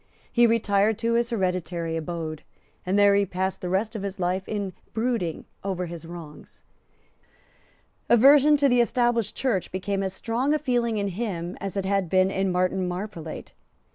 He retired to his hereditary abode; and there he passed the rest of his life in brooding over his wrongs. Aversion to the Established Church became as strong a feeling in him as it had been in Martin Marprelate.